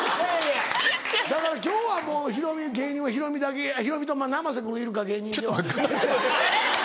だから今日はもう芸人はヒロミだけ。ヒロミと生瀬君いるか芸人では。ちょっと！